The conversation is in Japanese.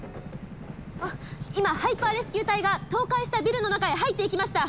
今ハイパーレスキュー隊が崩壊したビルの中へ入っていきました。